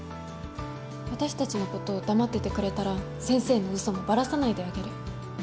私たちのこと黙っていてくれたら先生の嘘もばらさないであげる。